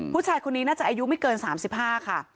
ผู้ชายคนนี้น่าจะอายุไม่เกิน๓๕ค่ะ